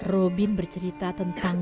robin bercerita tentang